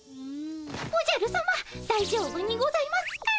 おじゃるさまだいじょうぶにございますか？